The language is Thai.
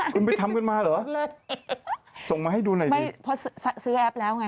คุณไปทำกันมาหรือ